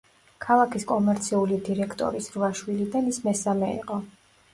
ქალაქის კომერციული დირექტორის რვა შვილიდან ის მესამე იყო.